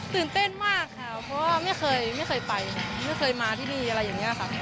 ตื่นเต้นมากค่ะเพราะว่าไม่เคยไม่เคยไปไม่เคยมาที่นี่อะไรอย่างนี้ค่ะ